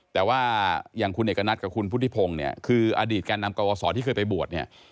แต่ว่าอย่างคุณเอกนัตริย์กับคุณพุทธิพงศ์เนี่ยคืออดีตแก้นนำกลุ่มก็ประสอทที่เคยไปบวชเนี่ย